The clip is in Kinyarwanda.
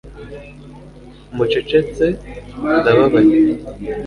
mucecetse ndababaye